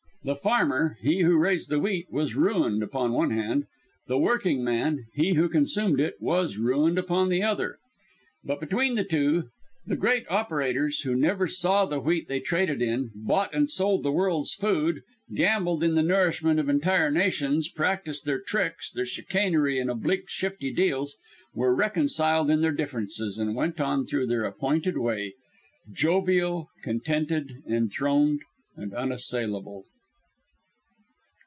The farmer he who raised the wheat was ruined upon one hand; the working man he who consumed it was ruined upon the other. But between the two, the great operators, who never saw the wheat they traded in, bought and sold the world's food, gambled in the nourishment of entire nations, practised their tricks, their chicanery and oblique shifty "deals," were reconciled in their differences, and went on through their appointed way, jovial, contented, enthroned, and unassailable.